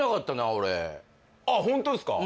俺ホントですか？